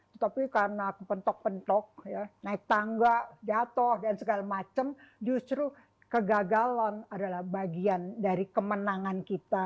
tetapi karena kepentok pentok naik tangga jatuh dan segala macam justru kegagalan adalah bagian dari kemenangan kita